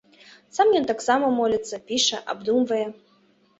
Сам ён таксама моліцца, піша, абдумвае.